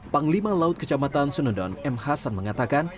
panglima laut kecamatan sunodaun m hasan mengatakan